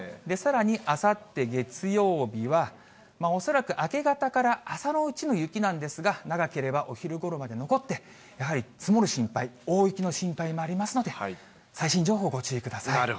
さらにあさって月曜日は、恐らく明け方から朝のうちの雪なんですが、長ければお昼ごろまで残って、やはり積もる心配、大雪の心配もありますので、最新情報ご注意ください。